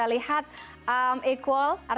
kita lihat kawasan ek guardian